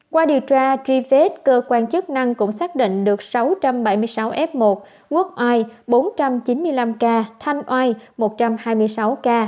qua điều tra truy vết cơ quan chức năng cũng xác định được sáu trăm bảy mươi sáu f một quốc oai bốn trăm chín mươi năm ca thanh oai một trăm hai mươi sáu ca